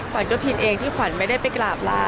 ควันก็พิเศษที่ควันไม่ได้ไปกราบลา